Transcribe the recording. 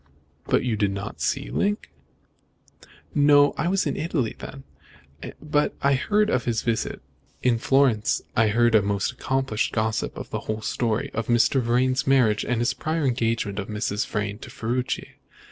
"But you did not see Link?" "No. I was in Italy then, but I heard of his visit. In Florence I heard from a most accomplished gossip the whole story of Mr. Vrain's marriage and the prior engagement of Mrs. Vrain to Ferruci.